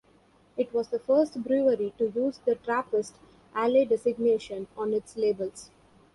It was the first brewery to use the Trappist Ale designation on its labels.